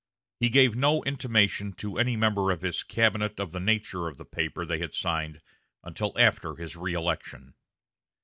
He gave no intimation to any member of his cabinet of the nature of the paper they had signed until after his reëlection.